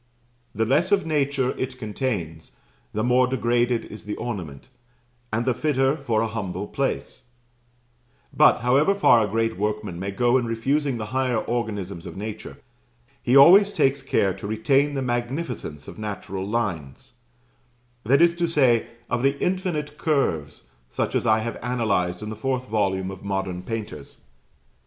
The less of nature it contains, the more degraded is the ornament, and the fitter for a humble place; but, however far a great workman may go in refusing the higher organisms of nature, he always takes care to retain the magnificence of natural lines; that is to say, of the infinite curves, such as I have analyzed in the fourth volume of "Modern Painters."